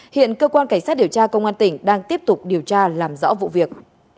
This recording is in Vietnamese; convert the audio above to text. hiện cơ quan cảnh sát điều tra công an tỉnh đang tiếp tục điều tra làm rõ vụ việc